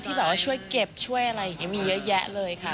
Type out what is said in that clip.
แบบว่าช่วยเก็บช่วยอะไรอย่างนี้มีเยอะแยะเลยค่ะ